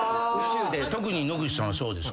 特に野口さんはそうですから。